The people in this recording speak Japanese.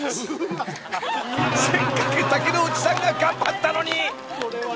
［せっかく竹野内さんが頑張ったのに］